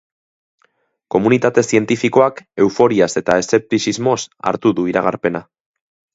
Komunitate zientifikoak euforiaz eta eszeptizismoz hartu du iragarpena.